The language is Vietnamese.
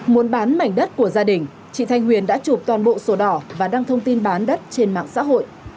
muốn bán mảnh đất của gia đình chị thanh huyền đã chụp toàn bộ sổ đỏ và đăng thông tin bán đất trên mạng xã hội